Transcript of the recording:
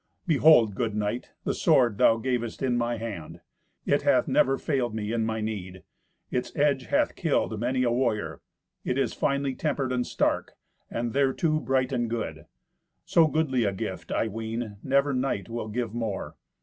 Behold, good knight, the sword thou gavest, in my hand. It hath never failed me in my need. Its edge hath killed many a warrior. It is finely tempered and stark, and thereto bright and good. So goodly a gift, I ween, never knight will give more.